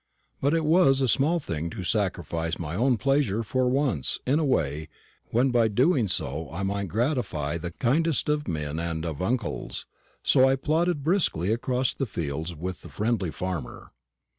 But it was a small thing to sacrifice my own pleasure for once in a way, when by so doing I might gratify the kindest of men and of uncles; so I plodded briskly across the fields with the friendly farmer.